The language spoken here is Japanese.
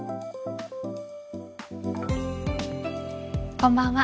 こんばんは。